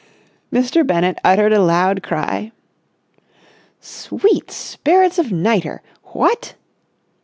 Mr. Bennett uttered a loud cry. "Sweet spirits of nitre! What!"